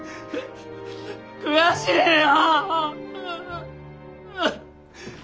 悔しいよ！